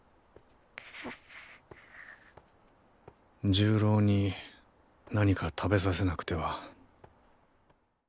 重郎に何か食べさせなくては。